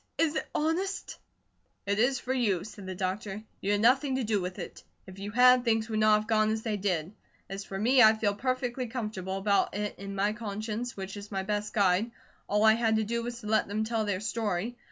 Is it honest?" "It is for you," said the doctor. "You had nothing to do with it. If you had, things would not have gone as they did. As for me, I feel perfectly comfortable about it in my conscience, which is my best guide. All I had to do was to let them tell their story.